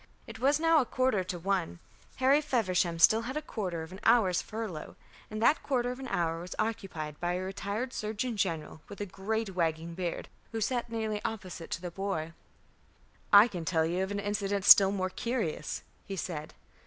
It was now a quarter to one. Harry Feversham had still a quarter of an hour's furlough, and that quarter of an hour was occupied by a retired surgeon general with a great wagging beard, who sat nearly opposite to the boy. "I can tell you an incident still more curious," he said.